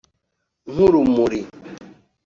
nk’urumuri